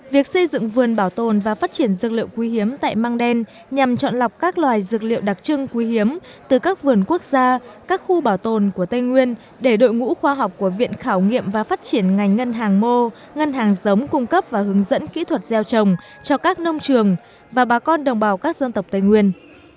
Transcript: việc xây dựng vườn bảo tồn và phát triển dược liệu quý hiếm tại mang đen nhằm chọn lọc các loài dược liệu đặc trưng quý hiếm từ các vườn quốc gia các khu bảo tồn của tây nguyên để đội ngũ khoa học của viện khảo nghiệm và phát triển ngành ngân hàng mô ngân hàng giống cung cấp và hướng dẫn kỹ thuật gieo trồng cho các nông trường và bà con đồng bào các dân tộc tây nguyên